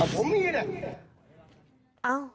ผมมีล่ะ